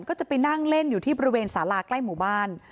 ก็จะไปนั่งเล่นอยู่ที่บริเวณสาราใกล้หมู่บ้าน